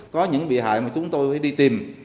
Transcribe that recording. có những bị hại mà chúng tôi đi tìm